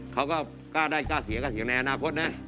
เค้าก็ได้ก็เสียก็เสียในอนาคตนะ